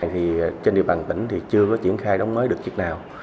thì trên địa bàn tỉnh thì chưa có triển khai đóng mới được chiếc nào